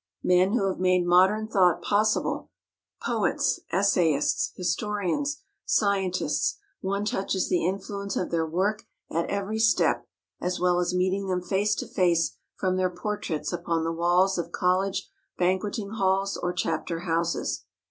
Men who have made modern thought possible, poets, essayists, historians, scientists, one touches the influence of their work at every step, as well as meeting them face to face from their portraits upon the walls of college banqueting halls or chapter houses.